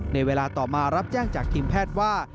ในเวลาต่อมารับแจ้งจากทีมแพทย์ว่า